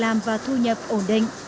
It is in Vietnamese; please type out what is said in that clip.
làm và thu nhập ổn định